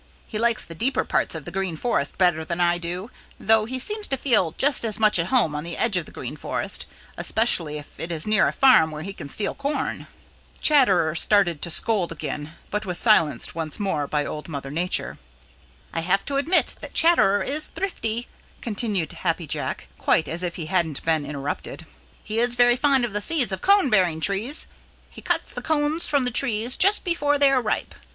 He likes the deeper parts of the Green Forest better than I do, though he seems to feel just as much at home on the edge of the Green Forest, especially if it is near a farm where he can steal corn." Chatterer started to scold again but was silenced once more by Old Mother Nature. "I have to admit that Chatterer is thrifty," continued Happy Jack, quite as if he hadn't been interrupted. "He is very fond of the seeds of cone bearing trees. He cuts the cones from the trees just before they are ripe.